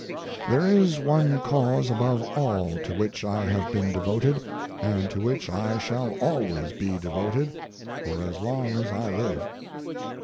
There is one cause above all to which I have been devoted and to which I shall always be devoted for as long as I live.